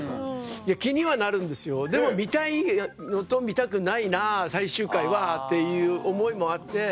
いや気にはなるんですよでも見たいのと見たくないな最終回はっていう思いもあって。